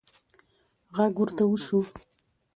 غږ ورته وشو: